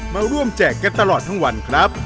มาร่วมแจกกันทุกวันครับ